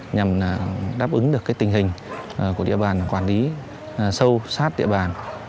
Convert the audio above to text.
nhằm đáp ứng được tình hình của địa bàn quản lý sâu sát địa bàn